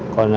còn nước mà